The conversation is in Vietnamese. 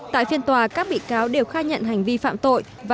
tại phiên tòa các bị cáo đều khai nhận hành vi phạm tội